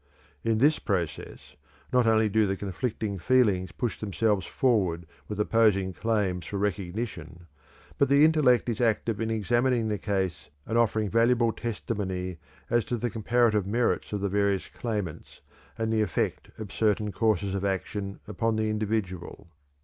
In this process, not only do the conflicting feelings push themselves forward with opposing claims for recognition, but the intellect is active in examining the case and offering valuable testimony as to the comparative merits of the various claimants and the effect of certain courses of action upon the individual.